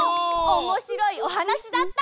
おもしろいおはなしだった！